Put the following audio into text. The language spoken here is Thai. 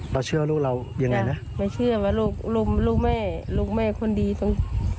เราเชื่อลูกเรายังไงนะไม่เชื่อว่าลูกลูกแม่ลูกแม่คนดีตรง